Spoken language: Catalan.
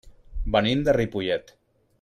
Venim de Ripollet.